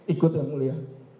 ikut yang mulia